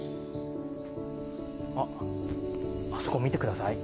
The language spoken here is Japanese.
あそこを見てください。